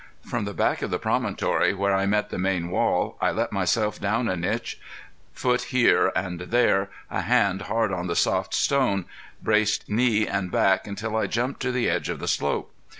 From the back of the promontory where I met the main wall, I let myself down a niche, foot here and there, a hand hard on the soft stone, braced knee and back until I jumped to the edge of the slope.